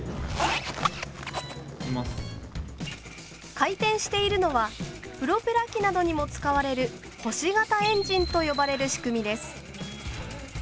回転しているのはプロペラ機などにも使われる「星型エンジン」と呼ばれる仕組みです。